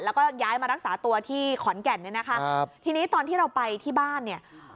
แล้วก็ย้ายมารักษาตัวที่ขอนแก่นเนี่ยนะคะครับทีนี้ตอนที่เราไปที่บ้านเนี่ย